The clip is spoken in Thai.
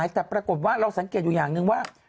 แต่ปรากฏว่าเราสังเกตอยู่อย่างหนึ่งว่า